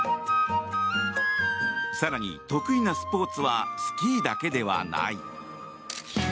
更に、得意なスポーツはスキーだけではない。